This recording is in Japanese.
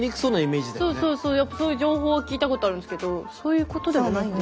そうそうそうやっぱそういう情報を聞いたことあるんですけどそういうことではないんですか？